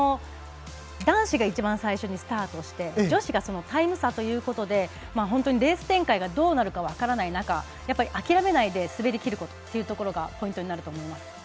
男子が一番最初にスタートして女子がそのタイム差ということでレース展開がどうなるか分からない中諦めないで滑りきることがポイントになると思います。